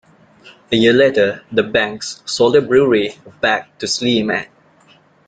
A year later the banks sold the brewery back to Sleeman.